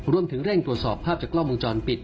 เร่งตรวจสอบภาพจากกล้องวงจรปิด